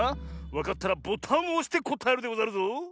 わかったらボタンをおしてこたえるでござるぞ。